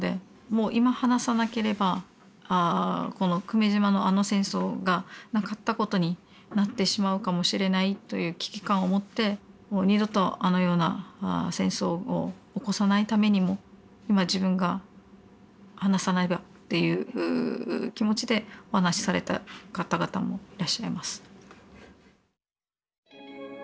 もう今話さなければこの久米島のあの戦争がなかったことになってしまうかもしれないという危機感を持ってもう二度とあのような戦争を起こさないためにも今自分が話さねばという気持ちでお話しされた方々もいらっしゃいます。